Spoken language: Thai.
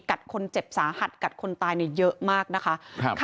กัดคนเจ็บสาหัสกัดคนตายเยอะมากนะคะ